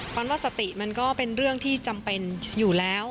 ว่าสติมันก็เป็นเรื่องที่จำเป็นอยู่แล้ว